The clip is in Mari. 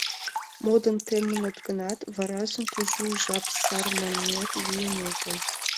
— Модын темыныт гынат, варажым кужу жап сар манмет лийын огыл.